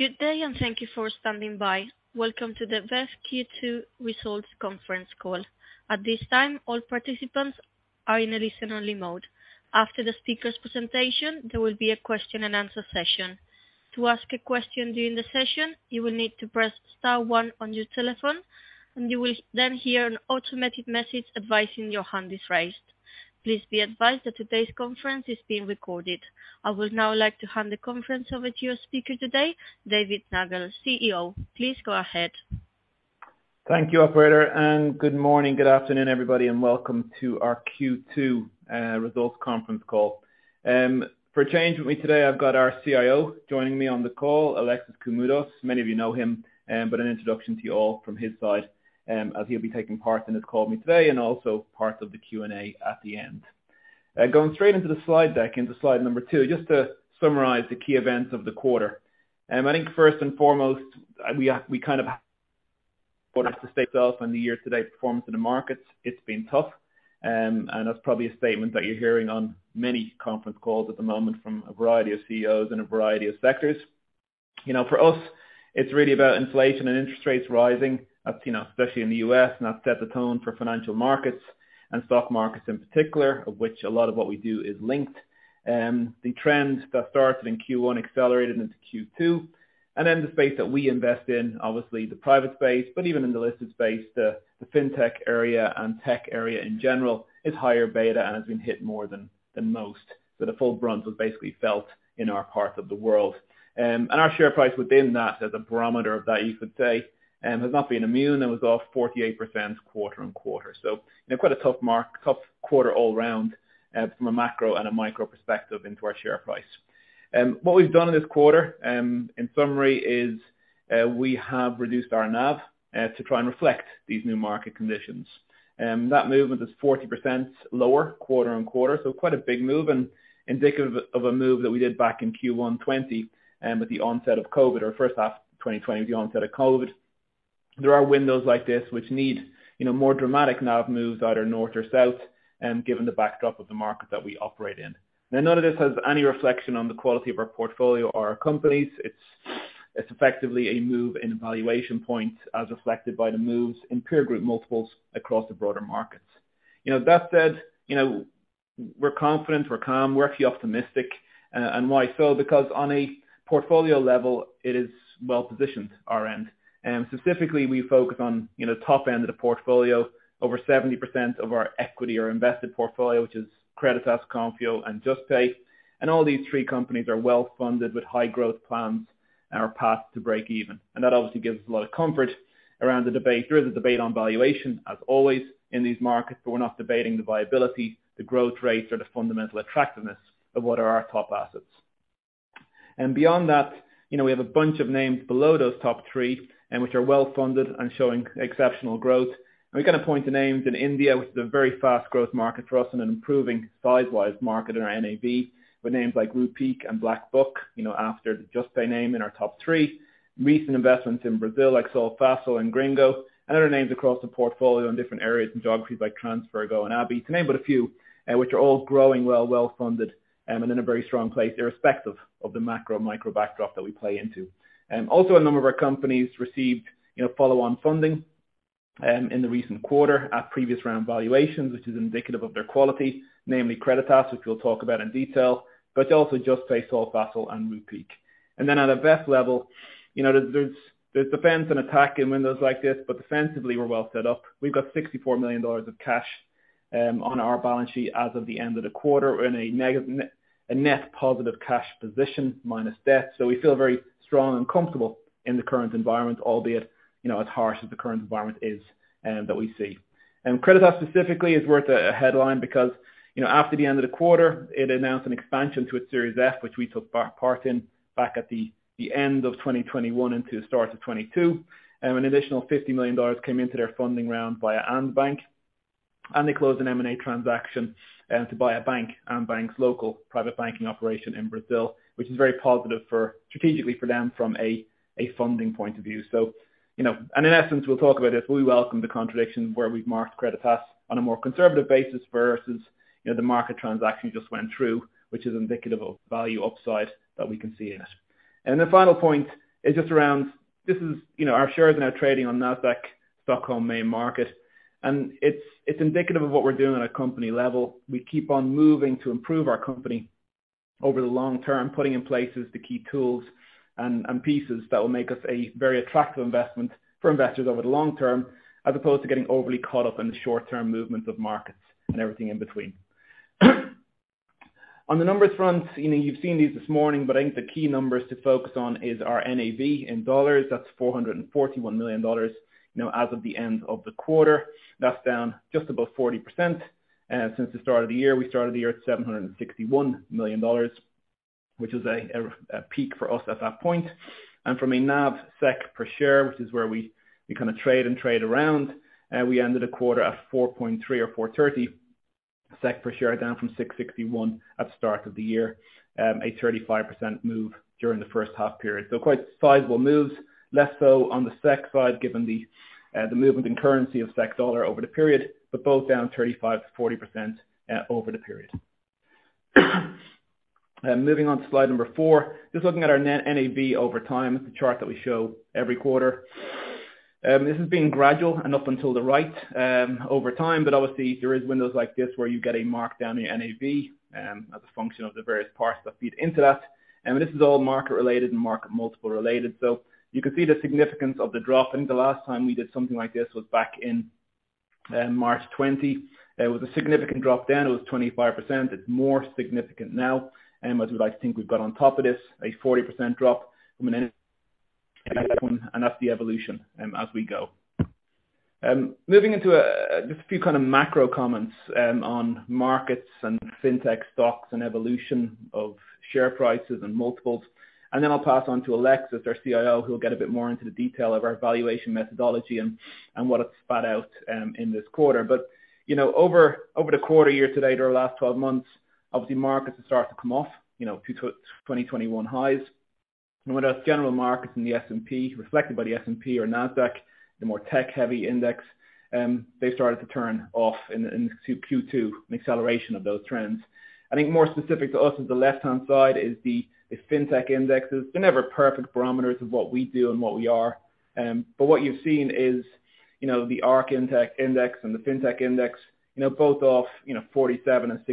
Good day and thank you for standing by. Welcome to the VEF Q2 Results Conference Call. At this time, all participants are in listen only mode. After the speaker's presentation, there will be a question and answer session. To ask a question during the session, you will need to press star one on your telephone, and you will then hear an automated message advising your hand is raised. Please be advised that today's conference is being recorded. I would now like to hand the conference over to your speaker today, David Nangle, CEO. Please go ahead. Thank you, operator, and good morning, good afternoon, everybody, and welcome to our Q2 results conference call. For a change with me today, I've got our CIO joining me on the call, Alexis Koumoudos. Many of you know him, but an introduction to you all from his side, as he'll be taking part in this call with me today and also part of the Q&A at the end. Going straight into the slide deck into slide number two, just to summarize the key events of the quarter. I think first and foremost, for us to state ourselves and the year-to-date performance in the markets, it's been tough. That's probably a statement that you're hearing on many conference calls at the moment from a variety of CEOs in a variety of sectors. You know, for us, it's really about inflation and interest rates rising. That's, you know, especially in the U.S., and that sets a tone for financial markets and stock markets in particular, of which a lot of what we do is linked. The trends that started in Q1 accelerated into Q2. The space that we invest in, obviously the private space, but even in the listed space, the fintech area and tech area in general is higher beta and has been hit more than most. The full brunt was basically felt in our part of the world. Our share price within that as a barometer of that, you could say, has not been immune. It was off 48% quarter-over-quarter. Quite a tough quarter all round, from a macro and a micro perspective into our share price. What we've done in this quarter, in summary, is we have reduced our NAV to try and reflect these new market conditions. That movement is 40% lower quarter on quarter, so quite a big move and indicative of a move that we did back in Q1 2020, with the onset of COVID or first half of 2020 with the onset of COVID. There are windows like this which need, you know, more dramatic NAV moves either north or south, given the backdrop of the market that we operate in. Now, none of this has any reflection on the quality of our portfolio or our companies. It's effectively a move in valuation points as reflected by the moves in peer group multiples across the broader markets. You know, that said we're confident, we're calm, we're actually optimistic. Why so? Because on a portfolio level, it is well-positioned on our end. Specifically we focus on, you know, top end of the portfolio. Over 70% of our equity or invested portfolio, which is Creditas, Konfío and Juspay. All these three companies are well-funded with high growth plans and are on a path to break even. That obviously gives us a lot of comfort around the debate. There is a debate on valuation as always in these markets, but we're not debating the viability, the growth rates or the fundamental attractiveness of what are our top assets. Beyond that, you know, we have a bunch of names below those top three and which are well-funded and showing exceptional growth. We're gonna point to names in India, which is a very fast growth market for us and an improving size-wise market in our NAV, with names like Rupeek and BlackBuck, you know, after the Juspay name in our top three. Recent investments in Brazil, like Solfácil and Gringo, and other names across the portfolio in different areas and geographies like TransferGo and Abhi, to name but a few, which are all growing well, well-funded, and in a very strong place irrespective of the macro micro backdrop that we play into. Also a number of our companies received, you know, follow-on funding in the recent quarter at previous round valuations, which is indicative of their quality, namely Creditas, which we'll talk about in detail, but also Juspay, Solfácil and Rupeek. Then at a VEF level, you know, there's defense and attack in windows like this, but defensively we're well set up. We've got $64 million of cash on our balance sheet as of the end of the quarter. We're in a net positive cash position minus debt. We feel very strong and comfortable in the current environment, albeit, you know, as harsh as the current environment is, that we see. Creditas specifically is worth a headline because, you know, after the end of the quarter, it announced an expansion to its Series F, which we took part in back at the end of 2021 into the start of 2022. An additional $50 million came into their funding round via Andbank, and they closed an M&A transaction to buy a bank, Andbank's local private banking operation in Brazil, which is very positive strategically for them from a funding point of view. You know, in essence, we'll talk about this. We welcome the contradiction where we've marked Creditas on a more conservative basis versus, you know, the market transaction just went through, which is indicative of value upside that we can see in it. The final point is just around this, you know, our shares are now trading on Nasdaq Stockholm main market. It's indicative of what we're doing at a company level. We keep on moving to improve our company over the long term, putting in place the key tools and pieces that will make us a very attractive investment for investors over the long term, as opposed to getting overly caught up in the short-term movements of markets and everything in between. On the numbers front, you know, you've seen these this morning, but I think the key numbers to focus on is our NAV in dollars. That's $441 million, you know, as of the end of the quarter. That's down just above 40% since the start of the year. We started the year at $761 million, which is a peak for us at that point. From a NAV SEK per share, which is where we kinda trade around, we ended the quarter at 4.3 or 4.30 SEK per share, down from 661 at the start of the year, a 35% move during the first half period. Quite sizable moves, less so on the SEK side given the movement and currency of SEK dollar over the period, but both down 35%-40% over the period. Moving on to slide four, just looking at our net NAV over time. It's a chart that we show every quarter. This has been gradual and up until the right over time. Obviously there is windows like this where you get a mark down the NAV, as a function of the various parts that feed into that. I mean, this is all market related and market multiple related. You can see the significance of the drop. I think the last time we did something like this was back in March 2020. It was a significant drop down. It was 25%. It's more significant now. As we like to think we've got on top of this, a 40% drop. That's the evolution as we go. Moving into just a few kind of macro comments on markets and Fintech stocks and evolution of share prices and multiples. Then I'll pass on to Alexis, our CIO, who will get a bit more into the detail of our valuation methodology and what it spat out in this quarter. You know, over the quarter year to date or last 12 months, obviously markets have started to come off, you know, 2021 highs. With general markets in the S&P reflected by the S&P or Nasdaq, the more tech heavy index, they started to turn off in Q2, an acceleration of those trends. I think more specific to us is the left-hand side is the fintech indexes. They're never perfect barometers of what we do and what we are. What you've seen is, you know, the ARK index and the Fintech index, you know, both off 47% and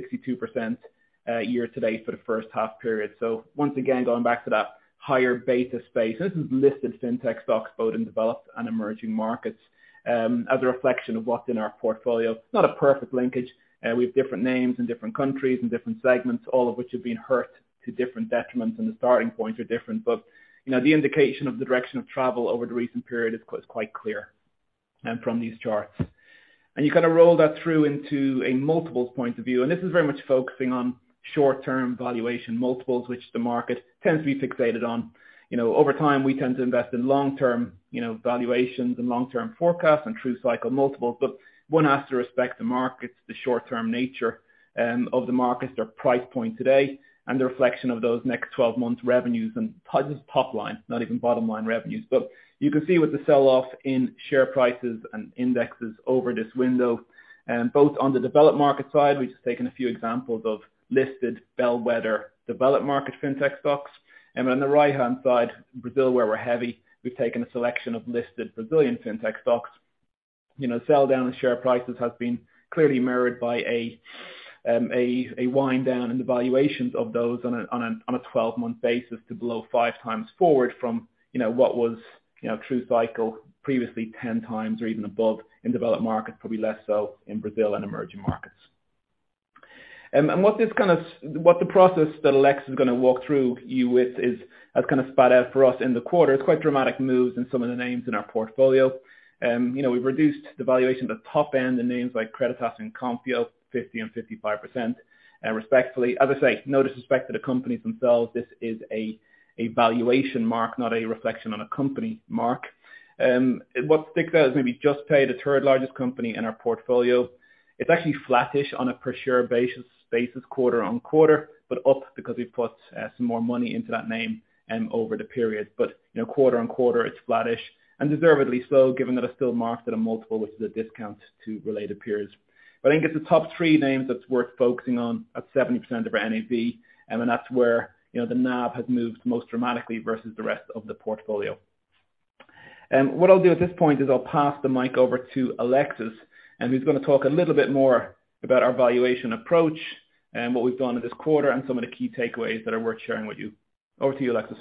62%, year to date for the first half period. Once again, going back to that higher beta space. This is listed Fintech stocks both in developed and emerging markets, as a reflection of what's in our portfolio. It's not a perfect linkage. We have different names in different countries and different segments, all of which have been hurt to different detriments, and the starting points are different. You know, the indication of the direction of travel over the recent period is quite clear from these charts. You kind of roll that through into a multiples point of view, and this is very much focusing on short-term valuation multiples, which the market tends to be fixated on. You know, over time, we tend to invest in long-term, you know, valuations and long-term forecasts and true cycle multiples. One has to respect the markets, the short-term nature, of the markets, their price point today, and the reflection of those next 12 months revenues and just top line, not even bottom line revenues. You can see with the sell-off in share prices and indexes over this window, both on the developed market side, we've just taken a few examples of listed bellwether developed market Fintech stocks. On the right-hand side, Brazil, where we're heavy, we've taken a selection of listed Brazilian Fintech stocks. You know, selldown in share prices has been clearly mirrored by a wind down in the valuations of those on a 12-month basis to below 5x forward from, you know, what was, you know, true cycle previously 10x or even above in developed markets, probably less so in Brazil and emerging markets. What the process that Alexis is gonna walk you through is, has kind of spat out for us in the quarter. It's quite dramatic moves in some of the names in our portfolio. We've reduced the valuation at the top end in names like Creditas and Konfío, 50% and 55%, respectively. As I say, no disrespect to the companies themselves. This is a valuation mark, not a reflection on a company mark. What sticks out is maybe Juspay, the third largest company in our portfolio. It's actually flattish on a per share basis quarter on quarter, but up because we've put some more money into that name over the period. You know, quarter on quarter it's flattish and deservedly so, given that it's still marked at a multiple which is a discount to related peers. I think it's the top three names that's worth focusing on at 70% of our NAV, and then that's where, you know, the NAV has moved most dramatically versus the rest of the portfolio. What I'll do at this point is I'll pass the mic over to Alexis, and he's gonna talk a little bit more about our valuation approach and what we've done in this quarter and some of the key takeaways that are worth sharing with you. Over to you, Alexis.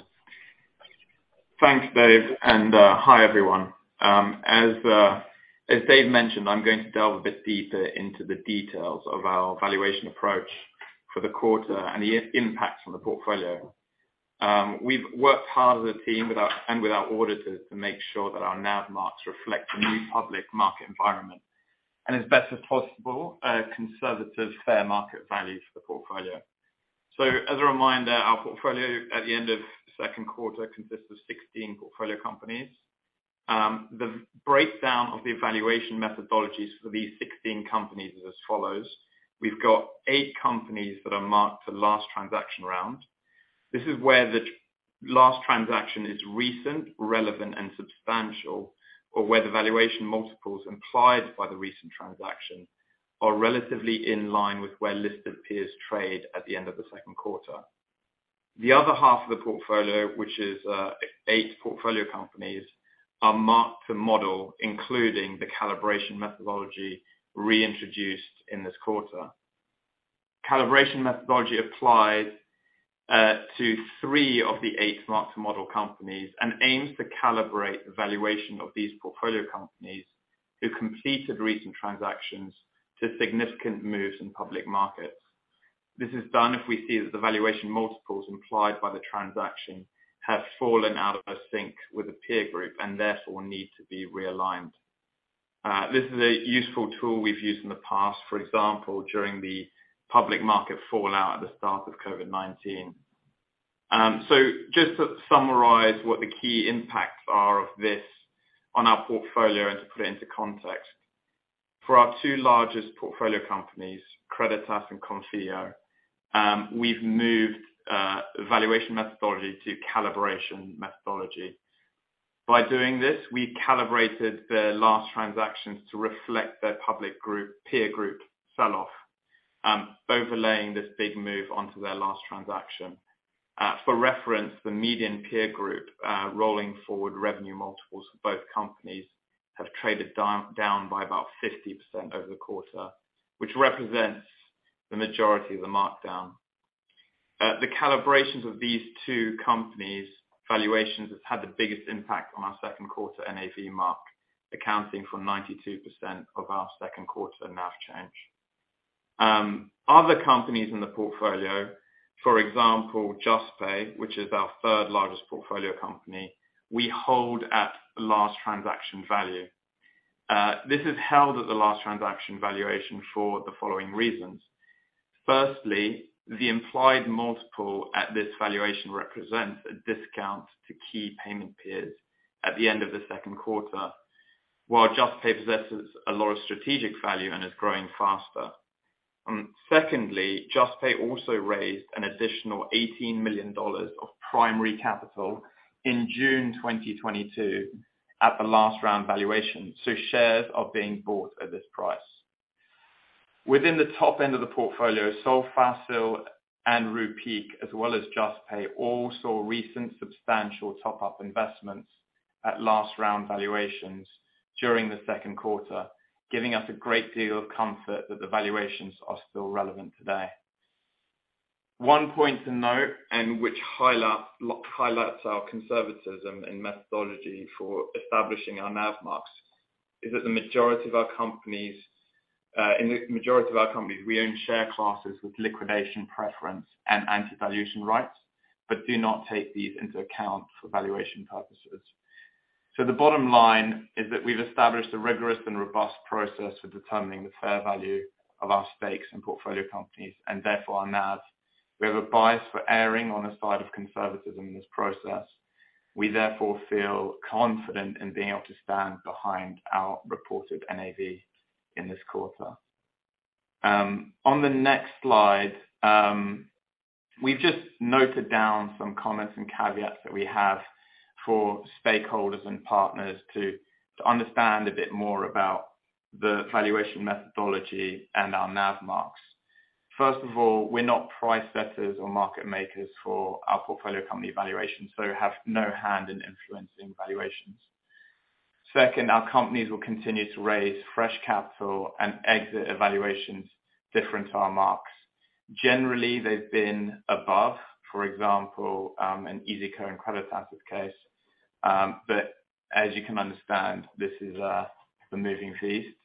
Thanks, Dave, and hi, everyone. As Dave mentioned, I'm going to delve a bit deeper into the details of our valuation approach for the quarter and the impact on the portfolio. We've worked hard as a team with our auditors to make sure that our NAV marks reflect a new public market environment and as best as possible, a conservative fair market value for the portfolio. As a reminder, our portfolio at the end of second quarter consists of 16 portfolio companies. The breakdown of the valuation methodologies for these 16 companies is as follows: We've got eight companies that are marked to last transaction round. This is where the last transaction is recent, relevant, and substantial, or where the valuation multiples implied by the recent transaction are relatively in line with where listed peers trade at the end of the second quarter. The other half of the portfolio, which is eight portfolio companies, are marked to model, including the calibration methodology reintroduced in this quarter. Calibration methodology applies to three of the eight marked to model companies and aims to calibrate the valuation of these portfolio companies who completed recent transactions to significant moves in public markets. This is done if we see that the valuation multiples implied by the transaction have fallen out of sync with the peer group and therefore need to be realigned. This is a useful tool we've used in the past, for example, during the public market fallout at the start of COVID-19. Just to summarize what the key impacts are of this on our portfolio and to put it into context. For our two largest portfolio companies, Creditas and Konfio, we've moved valuation methodology to calibration methodology. By doing this, we calibrated the last transactions to reflect their peer group sell-off, overlaying this big move onto their last transaction. For reference, the median peer group rolling forward revenue multiples for both companies have traded down by about 50% over the quarter, which represents the majority of the markdown. The calibrations of these two companies valuations has had the biggest impact on our second quarter NAV mark, accounting for 92% of our second quarter NAV change. Other companies in the portfolio, for example, Juspay, which is our third largest portfolio company, we hold at last transaction value. This is held at the last transaction valuation for the following reasons. Firstly, the implied multiple at this valuation represents a discount to key payment peers at the end of the second quarter, while Juspay possesses a lot of strategic value and is growing faster. Secondly, Juspay also raised an additional $18 million of primary capital in June 2022 at the last round valuation, so shares are being bought at this price. Within the top end of the portfolio, Solfácil and Rupeek, as well as Juspay, all saw recent substantial top-up investments at last round valuations during the second quarter, giving us a great deal of comfort that the valuations are still relevant today. One point to note, which highlights our conservatism and methodology for establishing our NAV marks, is that the majority of our companies, we own share classes with liquidation preference and anti-dilution rights, but do not take these into account for valuation purposes. The bottom line is that we've established a rigorous and robust process for determining the fair value of our stakes in portfolio companies and therefore our NAV. We have a bias for erring on the side of conservatism in this process. We therefore feel confident in being able to stand behind our reported NAV in this quarter. On the next slide, we've just noted down some comments and caveats that we have for stakeholders and partners to understand a bit more about the valuation methodology and our NAV marks. First of all, we're not price setters or market makers for our portfolio company valuations, so have no hand in influencing valuations. Second, our companies will continue to raise fresh capital and exit valuations different to our marks. Generally, they've been above, for example, an iyzico and Creditas case, but as you can understand, this is the moving feast.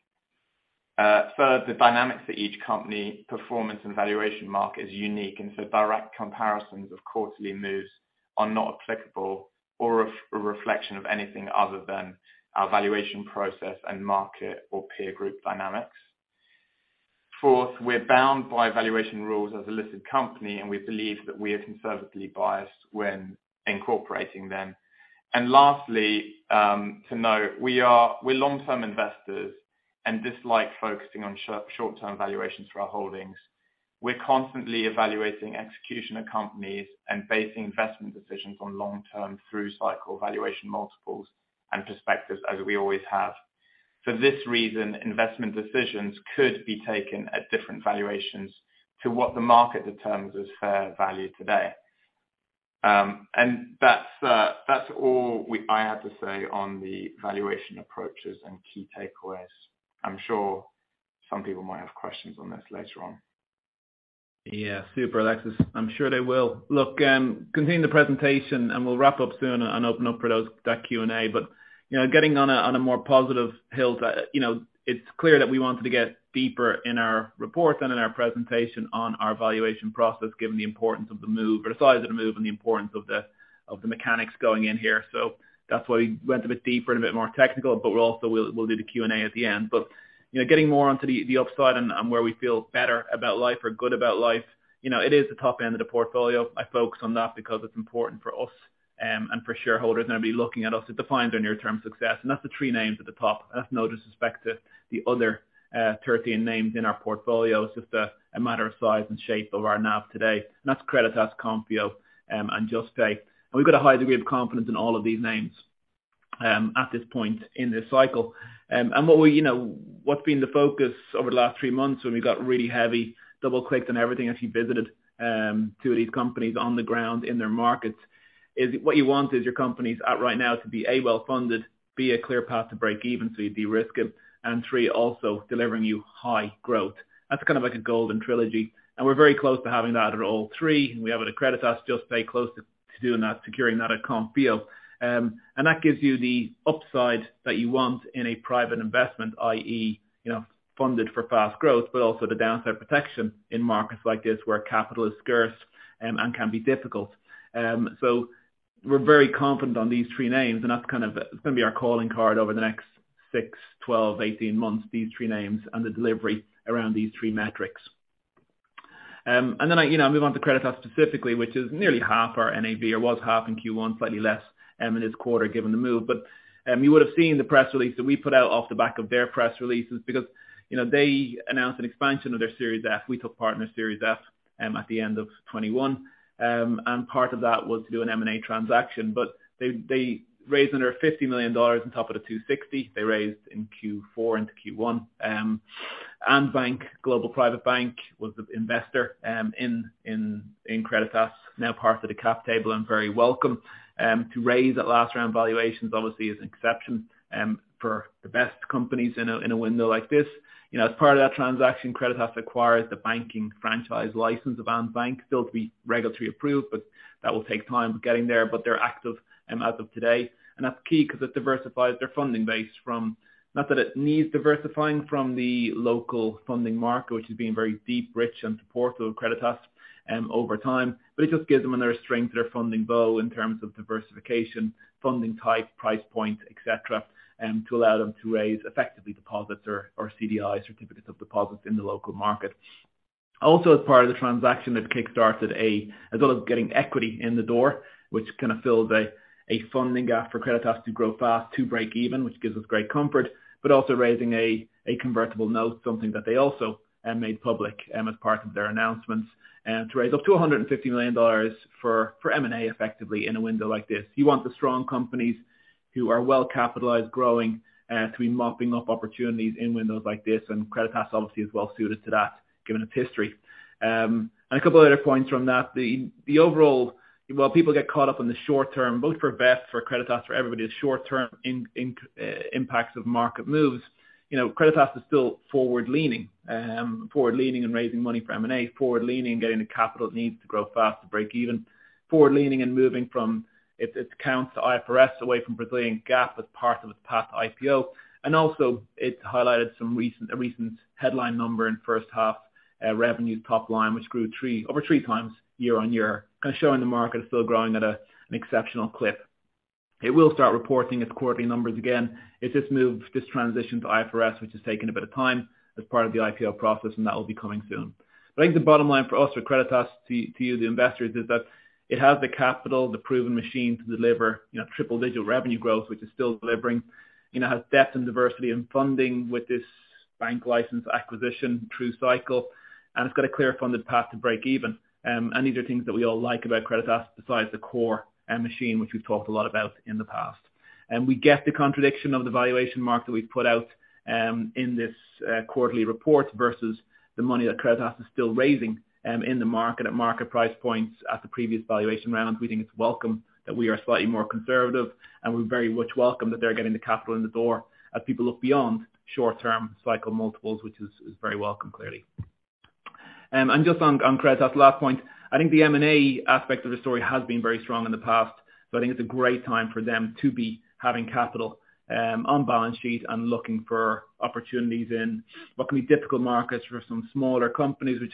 Third, the dynamics for each company performance and valuation mark is unique, and so direct comparisons of quarterly moves are not applicable or a reflection of anything other than our valuation process and market or peer group dynamics. Fourth, we're bound by valuation rules as a listed company, and we believe that we are conservatively biased when incorporating them. Lastly, to note, we're long-term investors and dislike focusing on short-term valuations for our holdings. We're constantly evaluating execution of companies and basing investment decisions on long-term through-cycle valuation multiples and perspectives, as we always have. For this reason, investment decisions could be taken at different valuations to what the market determines as fair value today. That's all I have to say on the valuation approaches and key takeaways. I'm sure some people might have questions on this later on. Yeah. Super, Alexis. I'm sure they will. Look, continue the presentation and we'll wrap up soon and open up for that Q&A. You know, getting on a more positive hill, you know, it's clear that we wanted to get deeper in our report and in our presentation on our valuation process, given the importance of the move or the size of the move and the importance of the mechanics going in here. That's why we went a bit deeper and a bit more technical. We'll do the Q&A at the end. You know, getting more onto the upside and where we feel better about life or good about life, you know, it is the top end of the portfolio. I focus on that because it's important for us, and for shareholders, they'll be looking at us. It defines our near-term success. That's the three names at the top. That's no disrespect to the other, 13 names in our portfolio. It's just a matter of size and shape of our NAV today. That's Creditas, Konfio, and Juspay. We've got a high degree of confidence in all of these names, at this point in this cycle. What we, you know, what's been the focus over the last three months when we got really heavy double-clicked on everything as we visited two of these companies on the ground in their markets, is what you want is your companies at right now to be, A, well-funded, B, a clear path to break even so you de-risk them, and three, also delivering you high growth. That's kind of like a golden trilogy, and we're very close to having that at all three. We have it at Creditas, Juspay, close to doing that, securing that at Konfio. That gives you the upside that you want in a private investment, i.e., you know, funded for fast growth, but also the downside protection in markets like this where capital is scarce, and can be difficult. We're very confident on these three names, and that's kind of, it's gonna be our calling card over the next 6, 12, 18 months, these three names and the delivery around these three metrics. Then I, you know, move on to Creditas specifically, which is nearly half our NAV, or was half in Q1, slightly less, in this quarter given the move. You would have seen the press release that we put out off the back of their press releases because, you know, they announced an expansion of their Series F. We took part in the Series F, at the end of 2021. Part of that was to do an M&A transaction. They raised under $50 million on top of the $260 million they raised in Q4 into Q1. Andbank Global Private Bank was the investor in Creditas, now part of the cap table and very welcome. To raise that last round valuations obviously is an exception for the best companies in a window like this. You know, as part of that transaction, Creditas acquires the banking franchise license of Andbank. Still to be regulatory approved, but that will take time getting there. They're active as of today, and that's key because it diversifies their funding base from the local funding market, which has been very deep, rich and supportive of Creditas, over time. It just gives them another string to their funding bow in terms of diversification, funding type, price point, etc., to allow them to raise effectively deposits or CDI certificates of deposits in the local market. Also, as part of the transaction, as well as getting equity in the door, which kind of fills a funding gap for Creditas to grow fast to break even, which gives us great comfort, but also raising a convertible note, something that they also made public as part of their announcements, to raise up to $150 million for M&A effectively in a window like this. You want the strong companies who are well capitalized, growing, to be mopping up opportunities in windows like this. Creditas obviously is well suited to that given its history. A couple other points from that. While people get caught up on the short term, both for VEF, for Creditas, for everybody's short term income impacts of market moves, you know, Creditas is still forward leaning, forward leaning and raising money for M&A, forward leaning, getting the capital it needs to grow fast, to break even. Forward leaning and moving from its accounts to IFRS away from Brazilian GAAP as part of its path to IPO. Also it highlighted a recent headline number in first half revenues top line, which grew over 3x year-over-year, kind of showing the market is still growing at an exceptional clip. It will start reporting its quarterly numbers again. It's this move, this transition to IFRS, which has taken a bit of time as part of the IPO process, and that will be coming soon. I think the bottom line for us at Creditas to you, the investors, is that it has the capital, the proven machine to deliver, you know, triple digit revenue growth, which is still delivering. You know, has depth and diversity in funding with this bank license acquisition through cycle, and it's got a clear funded path to break even. These are things that we all like about Creditas besides the core and machine, which we've talked a lot about in the past. We get the contradiction of the valuation mark that we've put out in this quarterly report versus the money that Creditas is still raising in the market at market price points at the previous valuation round. We think it's welcome that we are slightly more conservative, and we very much welcome that they're getting the capital in the door as people look beyond short term cycle multiples, which is very welcome, clearly. Just on Creditas, last point. I think the M&A aspect of the story has been very strong in the past, so I think it's a great time for them to be having capital on balance sheet and looking for opportunities in what can be difficult markets for some smaller companies which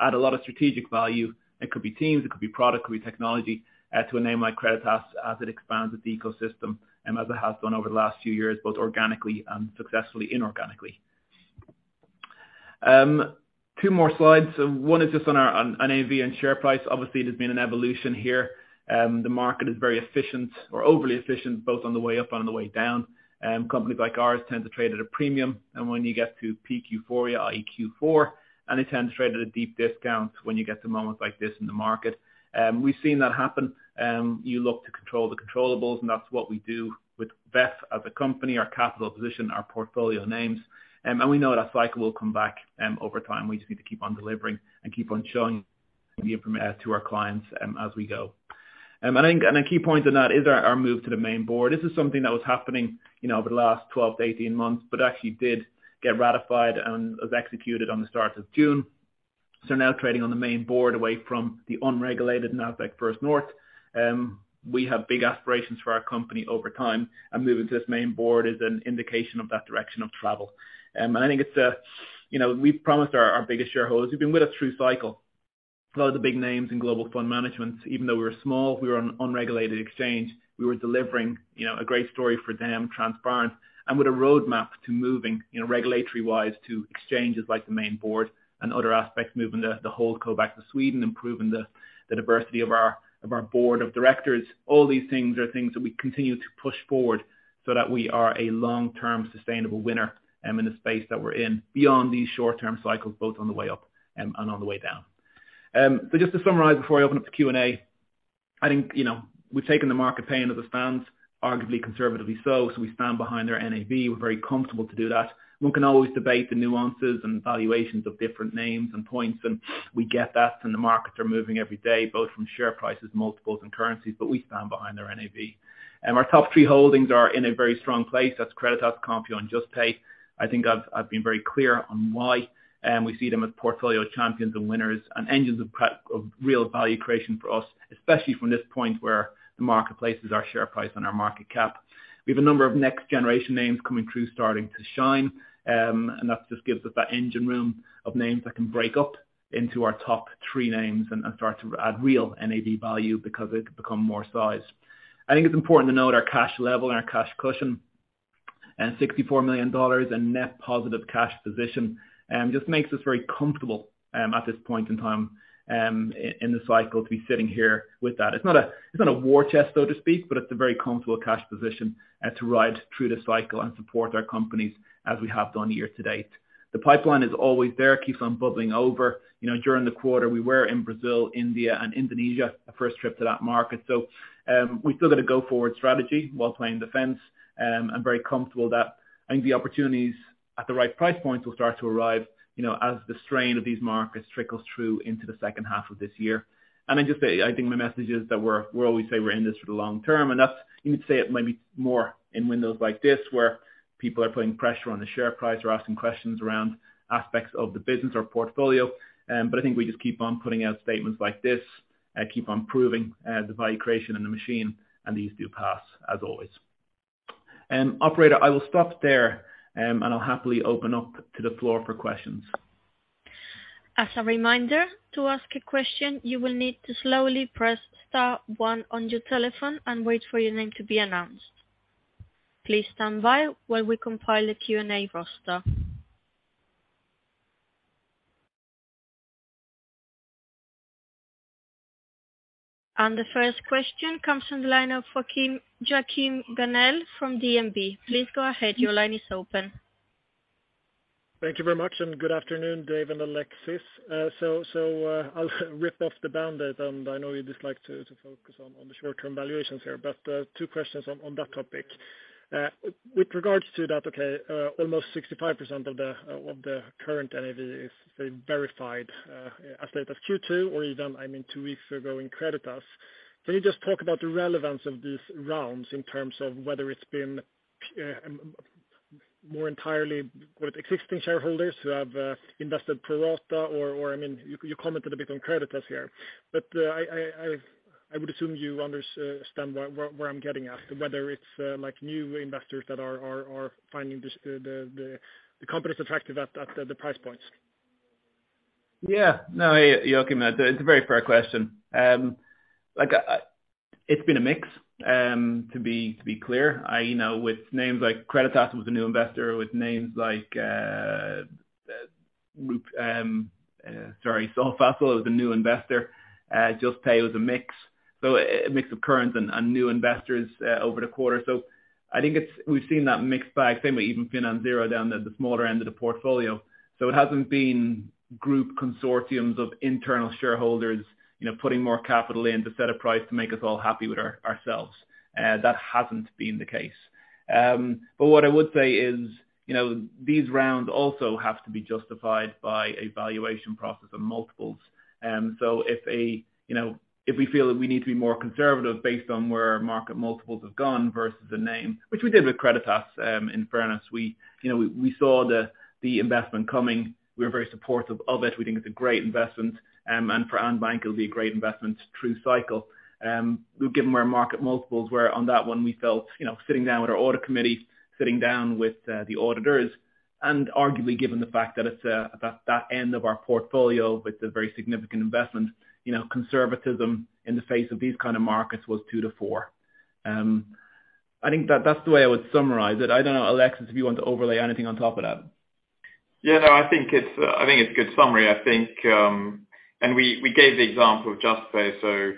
add a lot of strategic value. It could be teams, it could be product, it could be technology to enable Creditas as it expands its ecosystem, as it has done over the last few years, both organically and successfully inorganically. Two more slides. One is just on our NAV and share price. Obviously there's been an evolution here. The market is very efficient or overly efficient both on the way up and on the way down. Companies like ours tend to trade at a premium. When you get to peak euphoria, i.e. Q4, it tends to trade at a deep discount when you get to moments like this in the market. We've seen that happen. You look to control the controllables and that's what we do with VEF as a company, our capital position, our portfolio names. We know that cycle will come back over time. We just need to keep on delivering and keep on showing the information to our clients as we go. I think a key point in that is our move to the main board. This is something that was happening, you know, over the last 12-18 months, but actually did get ratified and was executed on the start of June. Now trading on the main board away from the unregulated Nasdaq First North. We have big aspirations for our company over time, and moving to this main board is an indication of that direction of travel. I think it's, you know, we've promised our biggest shareholders who've been with us through cycle a lot of the big names in global fund management, even though we were small, we were on unregulated exchange, we were delivering, you know, a great story for them, transparent and with a roadmap to moving, you know, regulatory-wise to exchanges like the main board and other aspects, moving the whole code back to Sweden, improving the diversity of our board of directors. All these things are things that we continue to push forward so that we are a long-term sustainable winner in the space that we're in beyond these short-term cycles, both on the way up and on the way down. So just to summarize before I open up the Q&A. I think, you know, we've taken the market pain as it stands, arguably conservatively so. We stand behind their NAV. We're very comfortable to do that. One can always debate the nuances and valuations of different names and points, and we get that and the markets are moving every day, both from share prices, multiples and currencies, but we stand behind their NAV. Our top three holdings are in a very strong place. That's Creditas, Konfio and Juspay. I think I've been very clear on why, we see them as portfolio champions and winners and engines of real value creation for us, especially from this point where the marketplace is our share price and our market cap. We have a number of next generation names coming through, starting to shine. That just gives us that engine room of names that can break up into our top three names and start to add real NAV value because they could become more sized. I think it's important to note our cash level and our cash cushion. $64 million in net positive cash position just makes us very comfortable at this point in time in the cycle to be sitting here with that. It's not a war chest, so to speak, but it's a very comfortable cash position to ride through the cycle and support our companies as we have done year to date. The pipeline is always there, keeps on bubbling over. You know, during the quarter, we were in Brazil, India and Indonesia, our first trip to that market. We've still got a go-forward strategy while playing defense, and very comfortable that I think the opportunities at the right price points will start to arrive, you know, as the strain of these markets trickles through into the second half of this year. I think my message is that we're always saying we're in this for the long term, and that's you would say it maybe more in windows like this where people are putting pressure on the share price or asking questions around aspects of the business or portfolio. I think we just keep on putting out statements like this, keep on proving the value creation in the machine, and these do pass as always. Operator, I will stop there, and I'll happily open up to the floor for questions. As a reminder, to ask a question, you will need to slowly press star one on your telephone and wait for your name to be announced. Please stand by while we compile a Q&A roster. The first question comes from the line of Joachim Gunell from DNB. Please go ahead, your line is open. Thank you very much, and good afternoon, Dave and Alexis. I'll rip off the bandaid, and I know you dislike to focus on the short term valuations here, but two questions on that topic. With regards to that, almost 65% of the current NAV is verified as of Q2, or even, I mean, two weeks ago in Creditas. Can you just talk about the relevance of these rounds in terms of whether it's been more entirely with existing shareholders who have invested pro rata or, I mean, you commented a bit on Creditas here. I would assume you understand where I'm getting at, whether it's like new investors that are finding this, the company's attractive at the price points. Yeah. No, Joachim, it's a very fair question. Like, it's been a mix, to be clear. I know with names like Creditas was a new investor, with names like Solfácil is a new investor. Juspay was a mix. A mix of current and new investors over the quarter. I think we've seen that mixed bag, same with even FinanZero down at the smaller end of the portfolio. It hasn't been group consortiums of internal shareholders, you know, putting more capital in to set a price to make us all happy with ourselves. That hasn't been the case. What I would say is, you know, these rounds also have to be justified by a valuation process of multiples. So, you know, if we feel that we need to be more conservative based on where market multiples have gone versus a name, which we did with Creditas, in fairness, we, you know, we saw the investment coming. We were very supportive of it. We think it's a great investment. For Andbank, it'll be a great investment through cycle. Given where market multiples were on that one, we felt, you know, sitting down with our audit committees, sitting down with the auditors, and arguably given the fact that it's at that end of our portfolio with a very significant investment, you know, conservatism in the face of these kind of markets was 2-4. I think that that's the way I would summarize it. I don't know, Alexis, if you want to overlay anything on top of that. Yeah, no, I think it's a good summary. I think we gave the example of Juspay.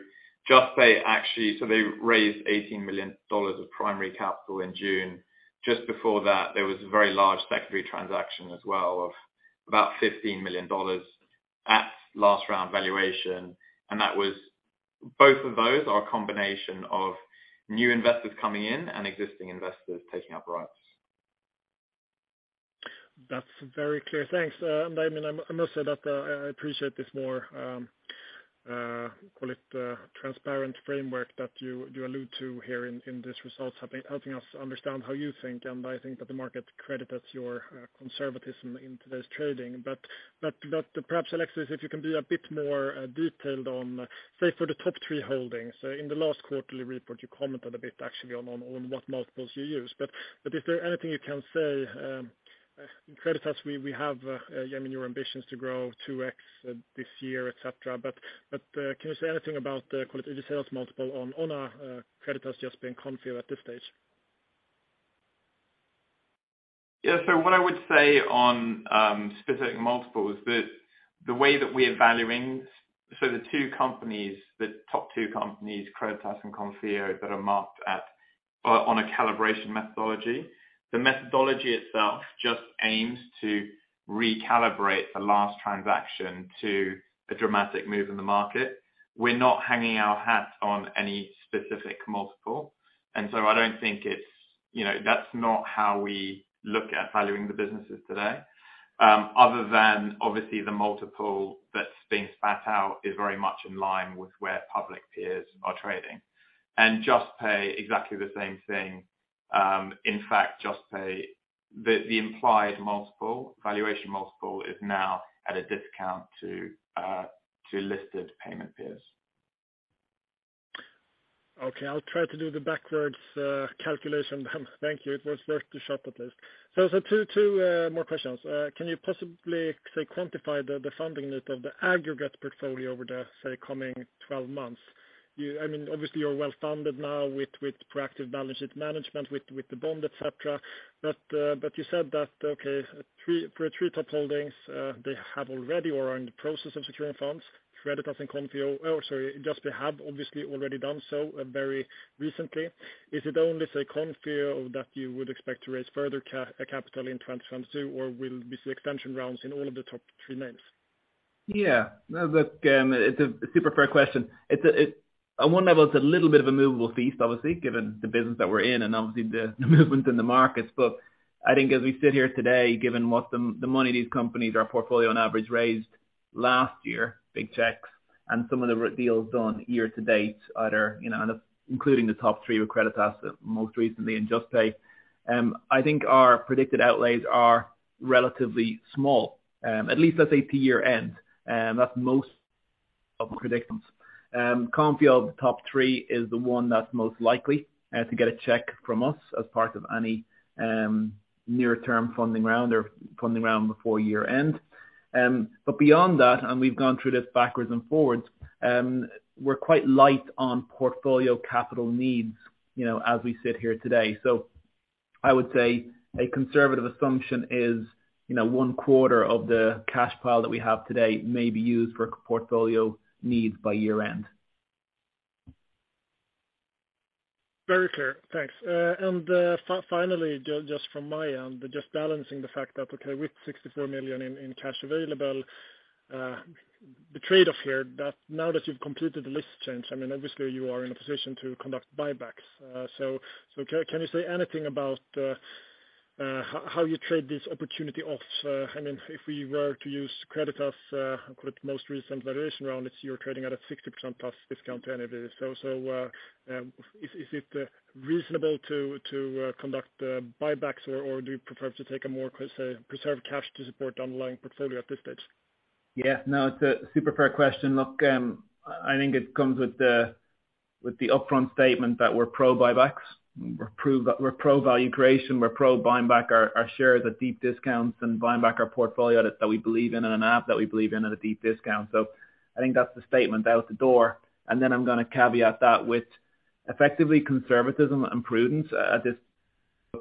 Juspay actually, they raised $18 million of primary capital in June. Just before that, there was a very large secondary transaction as well of about $15 million at last round valuation. Both of those are a combination of new investors coming in and existing investors taking up rights. That's very clear. Thanks. I mean, I must say that I appreciate this more, call it, transparent framework that you allude to here in these results, helping us understand how you think, and I think that the market credits your conservatism in today's trading. Perhaps, Alexis, if you can be a bit more detailed on, say, for the top three holdings. In the last quarterly report, you commented a bit actually on what multiples you use. Is there anything you can say, Creditas we have, I mean, your ambitions to grow 2x this year, etc. Can you say anything about the, call it, the sales multiple on Creditas just being Konfío at this stage? Yeah. What I would say on specific multiples that the way that we are valuing, the top two companies, Creditas and Konfío, that are marked at on a calibration methodology, the methodology itself just aims to recalibrate the last transaction to a dramatic move in the market. We're not hanging our hat on any specific multiple. That's not how we look at valuing the businesses today. Other than obviously the multiple that's being spat out is very much in line with where public peers are trading. Juspay exactly the same thing. In fact, Juspay, the implied multiple, valuation multiple is now at a discount to listed payment peers. Okay, I'll try to do the backwards calculation then. Thank you. It was worth the shot at least. Two more questions. Can you possibly quantify the funding need of the aggregate portfolio over the coming 12 months? I mean, obviously you're well-funded now with proactive balance sheet management with the bond, etc. You said that for three top holdings, they have already or are in the process of securing funds. Creditas and Konfio. Oh, sorry. So they have obviously already done so very recently. Is it only Konfio that you would expect to raise further capital in 2022, or will we see extension rounds in all of the top three names? Yeah. No, look, it's a super fair question. On one level it's a little bit of a movable feast, obviously, given the business that we're in and obviously the movement in the markets. I think as we sit here today, given what the money these companies, our portfolio on average raised last year, big checks, and some of the deals done year to date, you know, and including the top three with Creditas most recently, and Juspay, I think our predicted outlays are relatively small, at least let's say to year end. That's most of the predictions. Konfío of the top three is the one that's most likely to get a check from us as part of any near term funding round or funding round before year end. Beyond that, and we've gone through this backwards and forwards, we're quite light on portfolio capital needs, you know, as we sit here today. I would say a conservative assumption is, you know, one quarter of the cash pile that we have today may be used for portfolio needs by year end. Very clear. Thanks. Finally, just from my end, just balancing the fact that, okay, with 64 million in cash available, the trade-off here that now that you've completed the list change, I mean, obviously you are in a position to conduct buybacks. Can you say anything about how you trade these trade-offs? I mean, if we were to use Creditas, I'll call it most recent valuation round, it's you're trading at a 60%+ discount to any of this. Is it reasonable to conduct buybacks, or do you prefer to preserve cash to support underlying portfolio at this stage? Yeah. No, it's a super fair question. Look, I think it comes with the upfront statement that we're pro buybacks. We're pro value creation. We're pro buying back our shares at deep discounts and buying back our portfolio that we believe in and a NAV that we believe in at a deep discount. I think that's the statement out the door, and then I'm gonna caveat that with effectively conservatism and prudence at this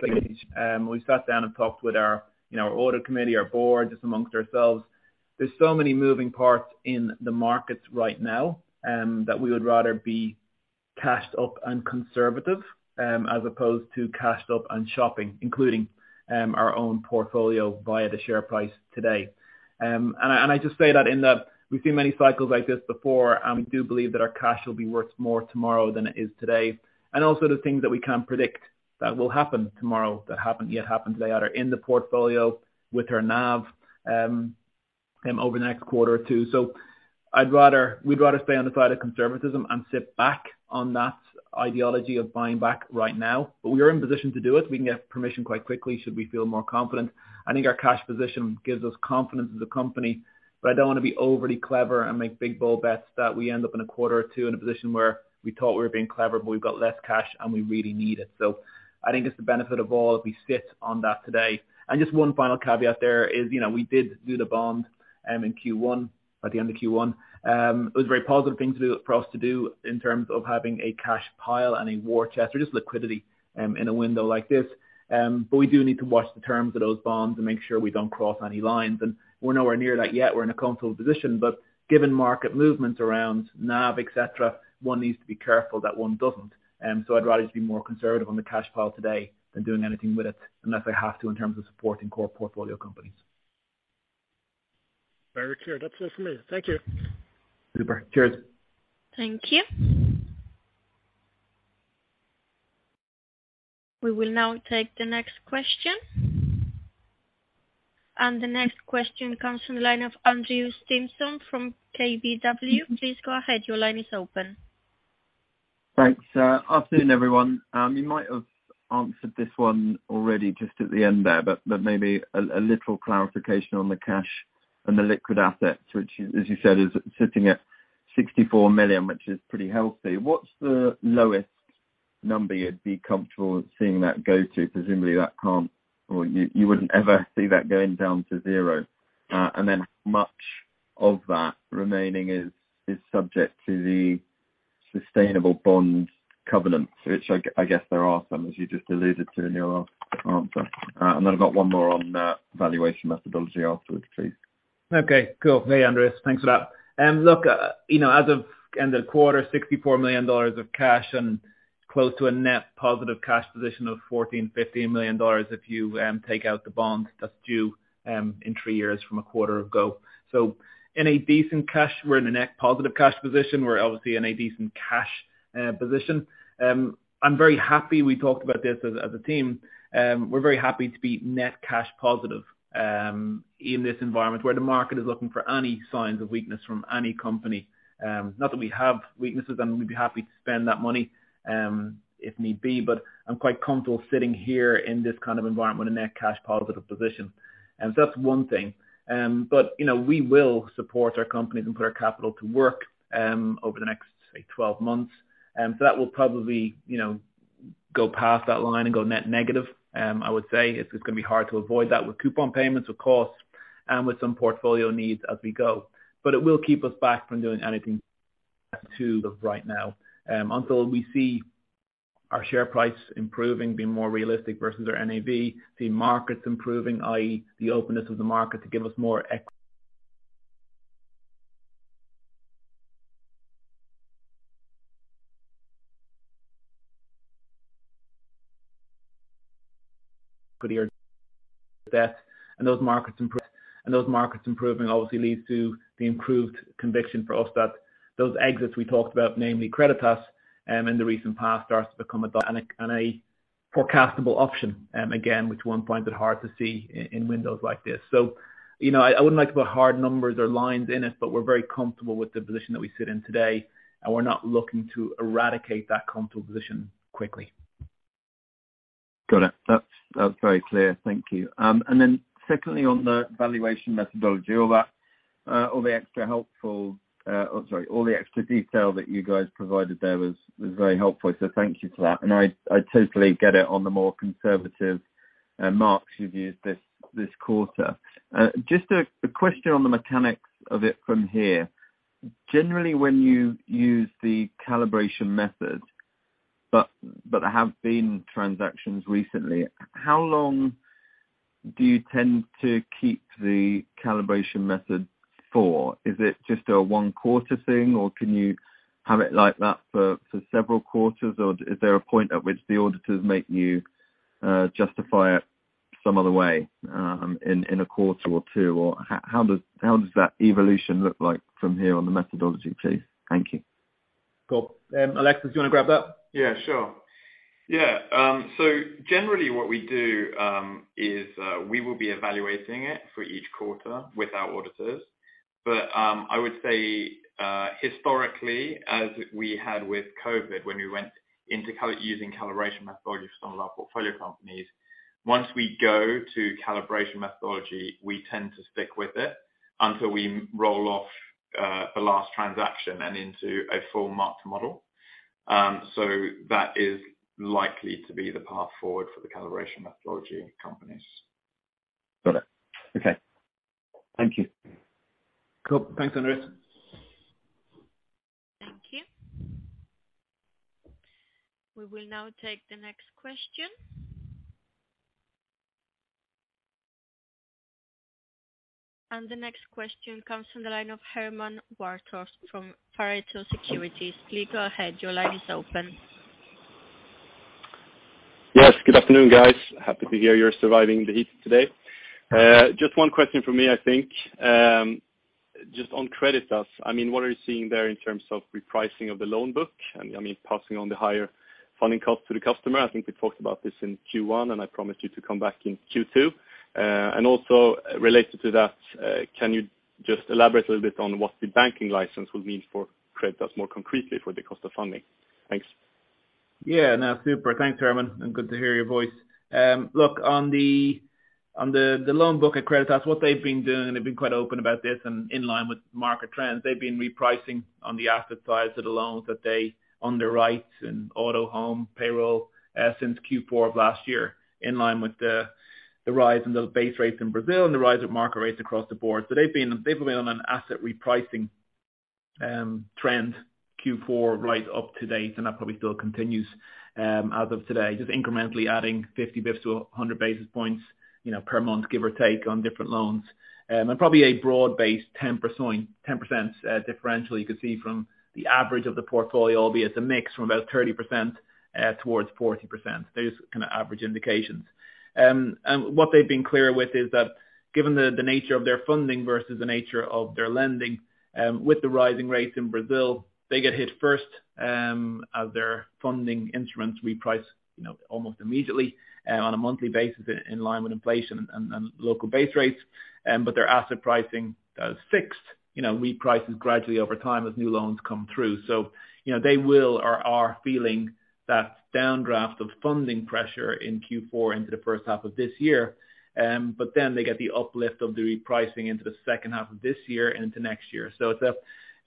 stage. We sat down and talked with our you know, our audit committee, our board, just amongst ourselves. There's so many moving parts in the markets right now that we would rather be cashed up and conservative as opposed to cashed up and shopping, including our own portfolio via the share price today. I just say that. We've seen many cycles like this before, and we do believe that our cash will be worth more tomorrow than it is today. Also, the things that we can't predict that will happen tomorrow that haven't yet happened today, either in the portfolio with our NAV over the next quarter or two. We'd rather stay on the side of conservatism and sit back on that ideology of buying back right now. We are in position to do it. We can get permission quite quickly should we feel more confident. I think our cash position gives us confidence as a company, but I don't wanna be overly clever and make big, bold bets that we end up in a quarter or two in a position where we thought we were being clever, but we've got less cash and we really need it. I think it's the benefit of all if we sit on that today. Just one final caveat there is, you know, we did do the bond in Q1, at the end of Q1. It was a very positive thing to do, for us to do in terms of having a cash pile and a war chest or just liquidity in a window like this. But we do need to watch the terms of those bonds and make sure we don't cross any lines, and we're nowhere near that yet. We're in a comfortable position, but given market movements around NAV, etc., one needs to be careful that one doesn't. I'd rather just be more conservative on the cash pile today than doing anything with it unless I have to in terms of supporting core portfolio companies. Very clear. That's it from me. Thank you. Super. Cheers. Thank you. We will now take the next question. The next question comes from the line of Andrew Stimpson from KBW. Please go ahead. Your line is open. Thanks. Afternoon, everyone. You might have answered this one already just at the end there, but maybe a little clarification on the cash and the liquid assets, which as you said, is sitting at 64 million, which is pretty healthy. What's the lowest number you'd be comfortable seeing that go to? Presumably that can't. Or you wouldn't ever see that going down to zero. And then how much of that remaining is subject to the sustainable bond covenants, which I guess there are some, as you just alluded to in your last answer. And then I've got one more on valuation methodology afterwards, please. Okay. Cool. Hey, Andrew. Thanks for that. Look, you know, as of end of quarter, $64 million of cash and close to a net positive cash position of $14 million-$15 million if you take out the bonds that's due in three years from a quarter ago. In a decent cash, we're in a net positive cash position. We're obviously in a decent cash position. I'm very happy we talked about this as a team. We're very happy to be net cash positive in this environment where the market is looking for any signs of weakness from any company. Not that we have weaknesses and we'd be happy to spend that money if need be, but I'm quite comfortable sitting here in this kind of environment in a net cash positive position. That's one thing. We will support our companies and put our capital to work over the next, say, 12 months. That will probably, you know, go past that line and go net negative. I would say it's just gonna be hard to avoid that with coupon payments, of course, and with some portfolio needs as we go. It will keep us back from doing anything too right now, until we see our share price improving, being more realistic versus our NAV, see markets improving, i.e., the openness of the market to give us more equity, and those markets improving obviously leads to the improved conviction for us that those exits we talked about, namely Creditas, in the recent past starts to become a foreseeable option again, which one finds it hard to see in windows like this. You know, I wouldn't like to put hard numbers or lines in it, but we're very comfortable with the position that we sit in today, and we're not looking to eradicate that comfortable position quickly. Got it. That's very clear. Thank you. Then secondly on the valuation methodology, all the extra detail that you guys provided there was very helpful, so thank you for that. I totally get it on the more conservative marks you've used this quarter. Just a question on the mechanics of it from here. Generally, when you use the calibration method but there have been transactions recently, how long do you tend to keep the calibration method for? Is it just a one quarter thing, or can you have it like that for several quarters, or is there a point at which the auditors make you justify it some other way, in a quarter or two? How does that evolution look like from here on the methodology please? Thank you. Cool. Alexis, do you wanna grab that? Yeah, sure. Yeah. So generally what we do is we will be evaluating it for each quarter with our auditors. I would say historically, as we had with COVID when we went into using calibration methodology for some of our portfolio companies, once we go to calibration methodology, we tend to stick with it until we roll off the last transaction and into a full mark-to-model. So that is likely to be the path forward for the calibration methodology companies. Got it. Okay. Thank you. Cool. Thanks, Andrew Stimpson. Thank you. We will now take the next question. The next question comes from the line of Herman Zahl from Pareto Securities. Please go ahead, your line is open. Yes, good afternoon, guys. Happy to hear you're surviving the heat today. Just one question from me, I think. Just on Creditas, I mean, what are you seeing there in terms of repricing of the loan book? I mean, passing on the higher funding costs to the customer. I think we talked about this in Q1, and I promised you to come back in Q2. Also related to that, can you just elaborate a little bit on what the banking license would mean for Creditas more concretely for the cost of funding? Thanks. Yeah, no, super. Thanks, Herman, and good to hear your voice. Look, on the loan book at Creditas, what they've been doing, and they've been quite open about this and in line with market trends, they've been repricing on the asset size of the loans that they underwrite in auto, home, payroll, since Q4 of last year, in line with the rise in the base rates in Brazil and the rise of market rates across the board. They've been on an asset repricing trend, Q4 right up to date, and that probably still continues as of today. Just incrementally adding 50 basis points to 100 basis points, you know, per month, give or take on different loans. Probably a broad-based 10% differential you could see from the average of the portfolio, albeit a mix from about 30% towards 40%. Those kind of average indications. What they've been clear with is that given the nature of their funding versus the nature of their lending, with the rising rates in Brazil, they get hit first, as their funding instruments reprice, you know, almost immediately, on a monthly basis in line with inflation and local base rates, but their asset pricing is fixed. You know, reprices gradually over time as new loans come through. You know, they will or are feeling that downdraft of funding pressure in Q4 into the first half of this year. They get the uplift of the repricing into the second half of this year and into next year.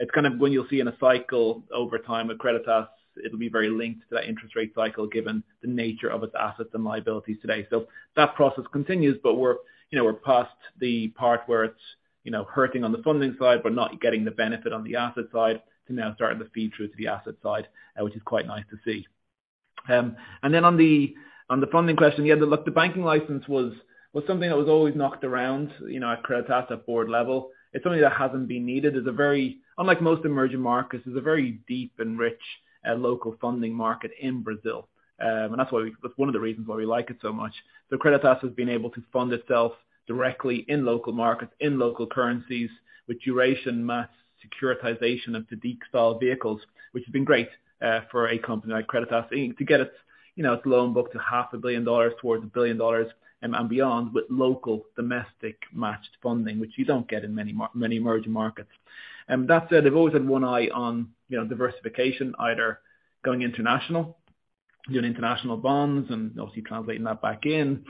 It's kind of when you'll see in a cycle over time with Creditas, it'll be very linked to that interest rate cycle given the nature of its assets and liabilities today. That process continues, but we're, you know, we're past the part where it's hurting on the funding side, but not getting the benefit on the asset side to now starting to feed through to the asset side, which is quite nice to see. On the funding question, yeah, look, the banking license was something that was always knocked around, you know, at Creditas at board level. It's something that hasn't been needed. Unlike most emerging markets, it's a very deep and rich local funding market in Brazil. That's one of the reasons why we like it so much. Creditas has been able to fund itself directly in local markets, in local currencies with duration matched securitization of FIDC-style vehicles, which has been great for a company like Creditas. To get its, you know, loan book to half a billion dollars towards $1 billion and beyond with local domestic matched funding, which you don't get in many emerging markets. That said, they've always had one eye on, you know, diversification either going international, doing international bonds and obviously translating that back in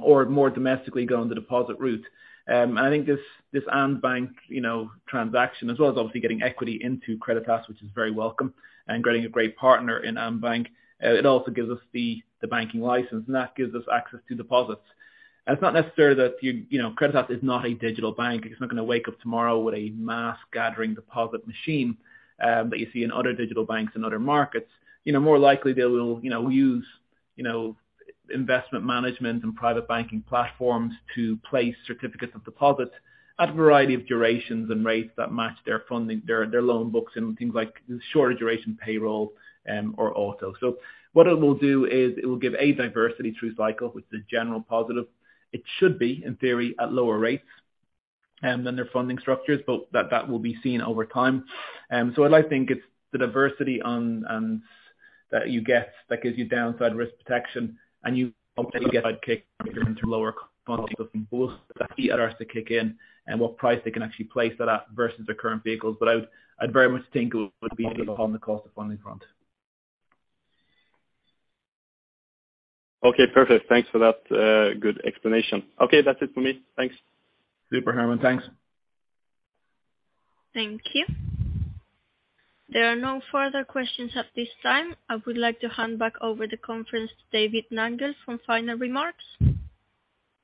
or more domestically going the deposit route. I think this Andbank, you know, transaction as well as obviously getting equity into Creditas, which is very welcome and getting a great partner in Andbank. It also gives us the banking license, and that gives us access to deposits. It's not necessarily that you know, Creditas is not a digital bank. It's not gonna wake up tomorrow with a mass gathering deposit machine that you see in other digital banks in other markets. You know, more likely they will, you know, use, you know, investment management and private banking platforms to place certificates of deposits at a variety of durations and rates that match their funding, their loan books in things like shorter duration payroll or auto. What it will do is it will give a diversity through cycle, which is generally positive. It should be, in theory, at lower rates than their funding structures, but that will be seen over time. What I think it's the diversity on that you get that gives you downside risk protection and you also get upside kick if you're into lower cost funding. Both of that for us to kick in and what price they can actually place that at versus their current vehicles. I'd very much think it would be on the cost of funding front. Okay, perfect. Thanks for that, good explanation. Okay, that's it for me. Thanks. Super, Herman. Thanks. Thank you. There are no further questions at this time. I would like to hand back over the conference to David Nangle for final remarks.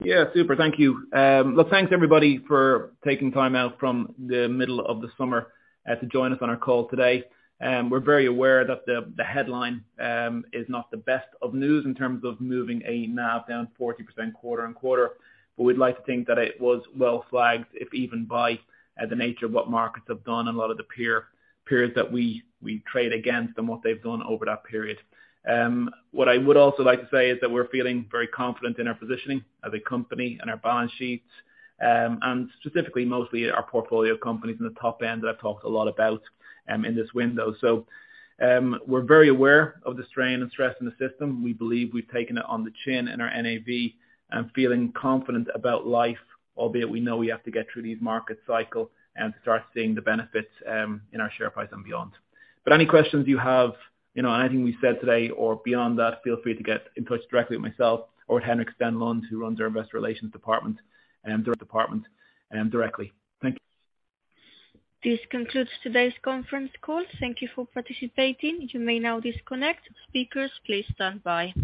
Yeah. Super. Thank you. Look, thanks everybody for taking time out from the middle of the summer to join us on our call today. We're very aware that the headline is not the best of news in terms of moving a NAV down 40% quarter-on-quarter. We'd like to think that it was well flagged if even by the nature of what markets have done and a lot of the peers that we trade against and what they've done over that period. What I would also like to say is that we're feeling very confident in our positioning as a company and our balance sheets, and specifically mostly our portfolio of companies in the top end that I've talked a lot about in this window. We're very aware of the strain and stress in the system. We believe we've taken it on the chin in our NAV and feeling confident about life, albeit we know we have to get through this market cycle and start seeing the benefits in our share price and beyond. Any questions you have, you know, anything we've said today or beyond that, feel free to get in touch directly with myself or with Henrik Stenlund who runs our investor relations department directly. Thank you. This concludes today's conference call. Thank you for participating. You may now disconnect. Speakers, please stand by.